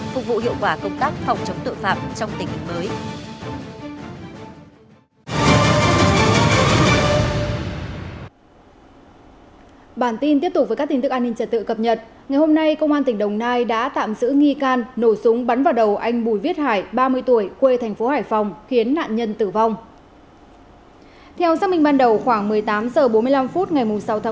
phục vụ hiệu quả công tác phòng chống tội phạm trong tình hình mới